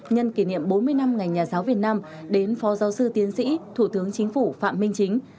nhân kỷ niệm bốn mươi năm ngành nhà giáo việt nam đến phó giáo sư tiến sĩ thủ tướng chính phủ phạm minh chính